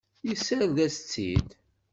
Yessared-as-tt-id.